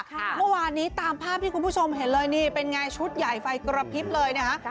เมื่อวานนี้ตามภาพที่คุณผู้ชมเห็นเลยนี่เป็นไงชุดใหญ่ไฟกระพริบเลยนะฮะ